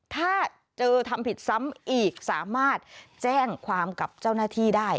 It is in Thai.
ถ้าเจอทำผิดซ้ำอีกสามารถแจ้งความกับเจ้าหน้าที่ได้